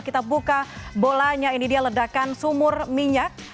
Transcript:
kita buka bolanya ini dia ledakan sumur minyak